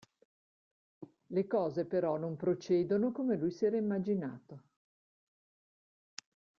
Le cose però non procedono come lui si era immaginato.